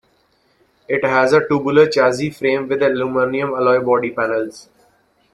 It has a tubular chassis frame with aluminium alloy body panels.